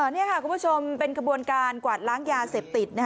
นี่ค่ะคุณผู้ชมเป็นขบวนการกวาดล้างยาเสพติด